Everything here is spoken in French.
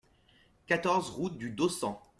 quatorze route du Dossen